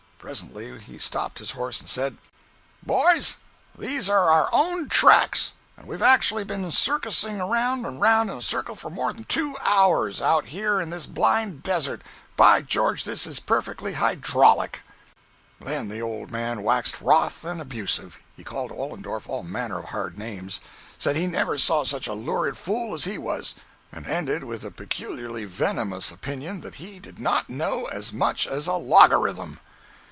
Presently he stopped his horse and said: "Boys, these are our own tracks, and we've actually been circussing round and round in a circle for more than two hours, out here in this blind desert! By George this is perfectly hydraulic!" 229.jpg (83K) Then the old man waxed wroth and abusive. He called Ollendorff all manner of hard names—said he never saw such a lurid fool as he was, and ended with the peculiarly venomous opinion that he "did not know as much as a logarythm!"